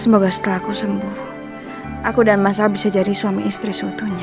semoga setelah aku sembuh aku dan mas al bisa jadi suami istri seutunya